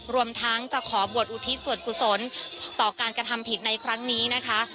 รวมทั้งจะขอบวชอุทิศส่วนกุศลต่อการกระทำผิดในครั้งนี้นะคะ